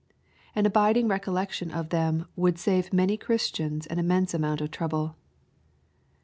An abiding recollection of them would save many Christians an immense amount of trouble.